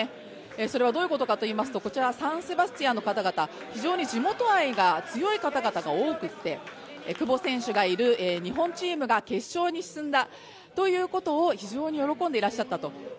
それはどういうことかといいますとこちらサン・セバスティアンの方々、非常に地元愛が強い方々が多くて、久保選手がいる日本チームが決勝に進んだということを非常に喜んでいらっしゃいました。